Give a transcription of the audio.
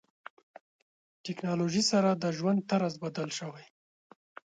ټکنالوژي سره د ژوند طرز بدل شوی.